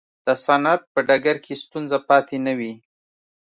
د صنعت په ډګر کې ستونزه پاتې نه وي.